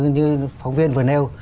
như phóng viên vừa nêu